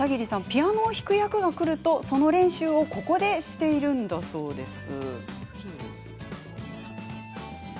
ピアノを弾く役がくるとその練習をここでしているんだそうです。